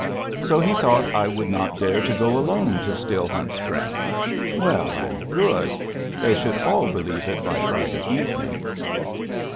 So he thought I would not dare to go alone to Still Hunt Spring! Well and good; they should all believe it by Friday evening.